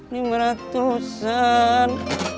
cilok cihoyama lima ratusan